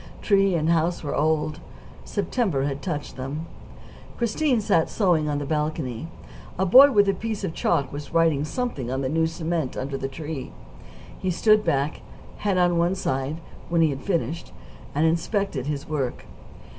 Tree and house were old; September had touched them. Christine sat sewing on the balcony. A boy with a piece of chalk was writing something on the new cement under the tree. He stood back, head on one side, when he had finished, and inspected his work.